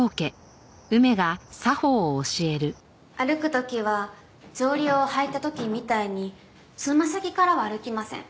歩く時は草履を履いた時みたいにつま先からは歩きません。